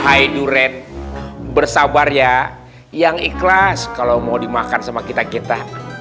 hai duret bersabar ya yang ikhlas kalau mau dimakan sama kita kita